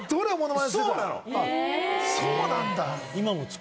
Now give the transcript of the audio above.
そうなんだ。